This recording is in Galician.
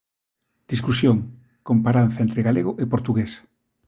Discusión: comparanza entre galego e portugués.